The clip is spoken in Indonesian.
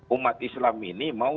umat islam ini mau